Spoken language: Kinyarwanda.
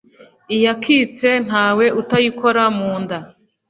iyakitse ntawe utayikora mu nda